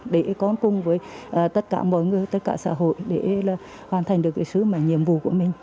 để con cùng với tất cả mọi người tất cả xã hội để hoàn thành được cái sứ mệnh nhiệm vụ của mình